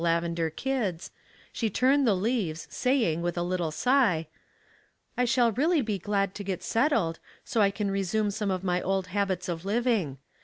lavender kids, she turned the leaves, saying, with a little sigh, —" I shall really be glad to get settled, so I can resume some of my old habits of living.